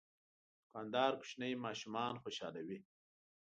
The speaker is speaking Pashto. دوکاندار کوچني ماشومان خوشحالوي.